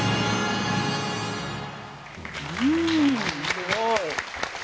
すごい。